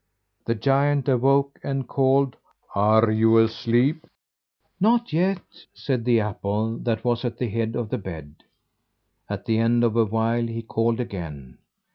The giant awoke and called, "Are you asleep?" "Not yet," said the apple that was at the head of the bed. At the end of a while he called again.